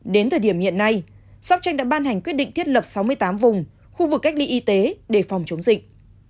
đến thời điểm hiện nay sóc trăng đã ban hành quyết định thiết lập sáu mươi tám vùng khu vực cách ly y tế để phòng chống dịch